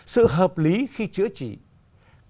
sự hợp lý khi chữa trị bệnh virus corona